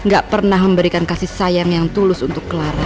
gak pernah memberikan kasih sayang yang tulus untuk clara